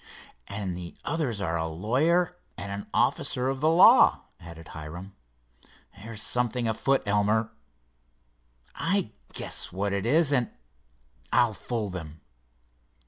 "And the others are a lawyer and an officer of the law," added Hiram. "There's something afoot, Elmer. I guess what it is and—I'll fool them."